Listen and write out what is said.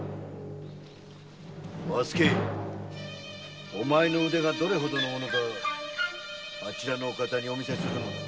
和助お前の腕がどれほどかあちらのお方にお見せするのだ。